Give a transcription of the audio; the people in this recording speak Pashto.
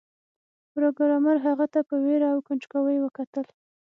پروګرامر هغه ته په ویره او کنجکاوی وکتل